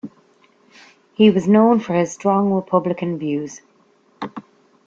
He was known for his strong republican views.